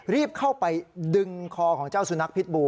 รีบเข้าไปดึงคอของเจ้าสุนัขพิษบู